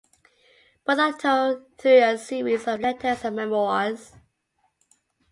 Both are told through a series of letters and memoirs.